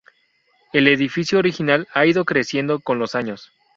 El edificio original ha ido creciendo con los años.